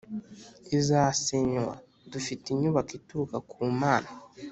izasenywa dufite inyubako ituruka ku Mana